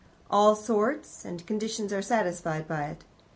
All sorts and conditions are satisfied by it.